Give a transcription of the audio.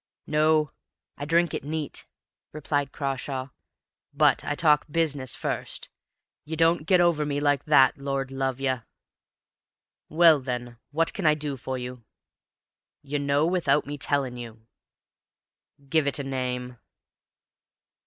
"No, I drink it neat," replied Crawshay, "but I talk business first. You don't get over me like that, Lor' love yer!" "Well, then, what can I do for you?" "You know without me tellin' you." "Give it a name."